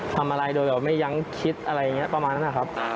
ทำอะไรดูไม่คิดอะไรนี่ประมาณนั้นนะครับ